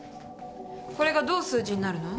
これがどう数字になるの？